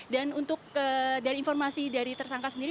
dan untuk dari informasi dari tersangka sendiri